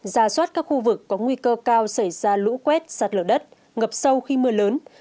ra soát các khu vực có nguy cơ cao xảy ra lũ quét sạt lở đất ngập sâu khi mưa lớn